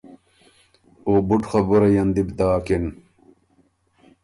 او بُډ خبُرئ ان دی بو داکِن۔